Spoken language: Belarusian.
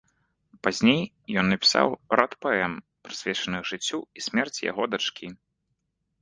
Пазней ён напісаў рад паэм, прысвечаных жыццю і смерці яго дачкі.